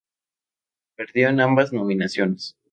Perdió en ambas nominaciones.